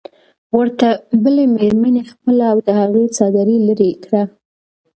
ورته بلې مېرمنې خپله او د هغې څادري لرې کړه.